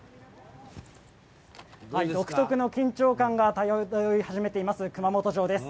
独特の緊張感が漂い始めています熊本城です。